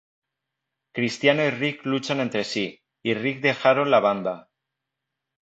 Cristiano y Rick luchan entre sí, y Rick dejaron la banda.